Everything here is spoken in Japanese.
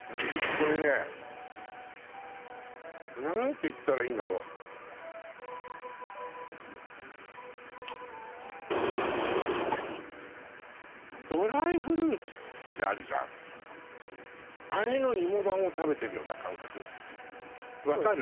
これね何て言ったらいいんだろうってあるじゃんあれのいも版を食べてるような感覚わかる？